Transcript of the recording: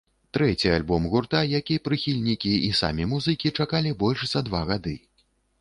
Трэці альбом гурта, які прыхільнікі і самі музыкі чакалі больш за два гады.